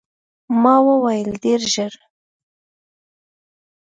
ما وویل، ډېر ژر.